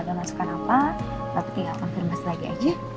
udah makan belum nanti